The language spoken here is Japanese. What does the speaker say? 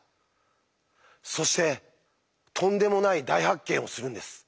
そしてとんでもない大発見をするんです。